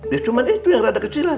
ya cuma itu yang rada kecilan